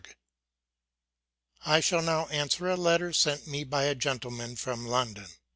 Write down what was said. I shall now answer a letter, sent me by a gentle man from London.